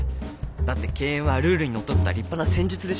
だって敬遠はルールに則った立派な戦術でしょ。